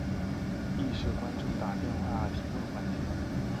亦设观众打电话提问环节。